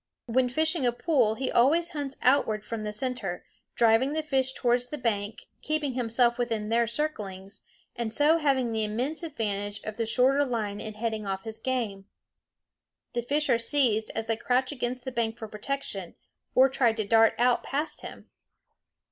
When fishing a pool he always hunts outward from the center, driving the fish towards the bank, keeping himself within their circlings, and so having the immense advantage of the shorter line in heading off his game. The fish are seized as they crouch against the bank for protection, or try to dart out past him.